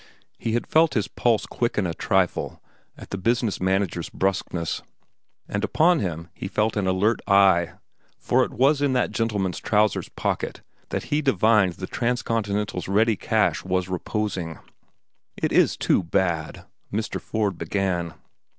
He had felt his pulse quicken a trifle at the business manager's brusqueness, and upon him he kept an alert eye, for it was in that gentleman's trousers pocket that he divined the Transcontinental's ready cash was reposing. "It is too bad—" Mr. Ford began.